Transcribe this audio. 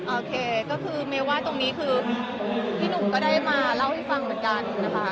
โอเคก็คือเมย์ว่าตรงนี้คือพี่หนุ่มก็ได้มาเล่าให้ฟังเหมือนกันนะคะ